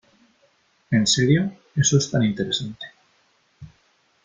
¿ En serio ? Eso es tan interesante .